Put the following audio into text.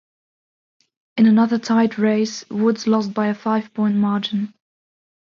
In another tight race, Woods lost by a five-point margin.